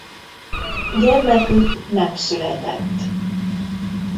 Gyermekük nem született.